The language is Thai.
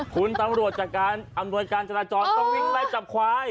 คุณตำรวจจากการอำนวยการจราจรต้องวิ่งไล่จับควาย